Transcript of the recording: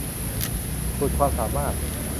สุดความสามารถ